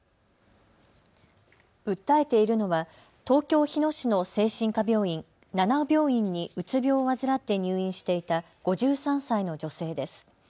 訴えているのは東京日野市の精神科病院七生病院にうつ病を患って入院していた５３歳の女性です。